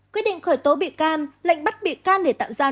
quyết định khởi tố bị can lệnh bắt bị can để tạo gian